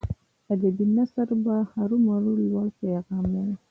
ادبي نثر به هرو مرو لوړ پیغام لري.